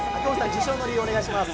受賞の理由、お願いします。